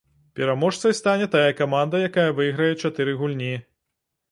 Пераможцай стане тая каманда, якая выйграе чатыры гульні.